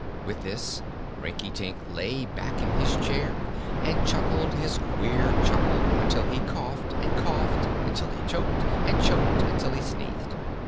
With this, Rinkitink lay back in his chair and chuckled his queer chuckle until he coughed, and coughed until he choked and choked until he sneezed.